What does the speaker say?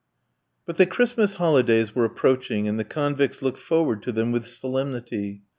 But the Christmas holidays were approaching, and the convicts looked forward to them with solemnity.